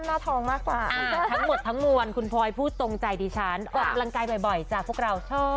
แล้วบิดเลยค่ะ